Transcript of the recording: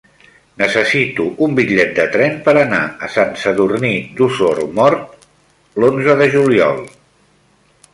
Necessito un bitllet de tren per anar a Sant Sadurní d'Osormort l'onze de juliol.